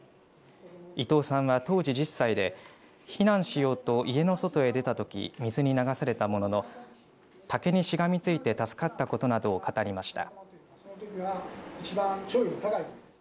伊藤さんは当時１０歳で避難しようと家の外へ出たときに水に流されたものの竹にしがみついて助かったことなどを語りました。